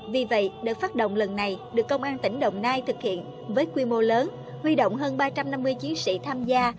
vì vậy đợt phát động lần này được công an tỉnh đồng nai thực hiện với quy mô lớn huy động hơn ba trăm năm mươi chiến sĩ tham gia